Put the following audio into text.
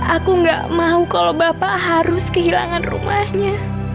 aku gak mau kalau bapak harus kehilangan rumahnya